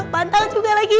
bantang juga lagi